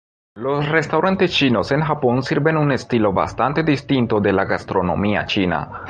Los restaurantes chinos en Japón sirven un estilo bastante distinto de la gastronomía china.